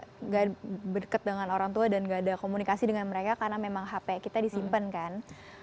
sebulan saya gak berdekat dengan orang tua dan gak ada komunikasi dengan mereka karena memang hp kita disimpen kan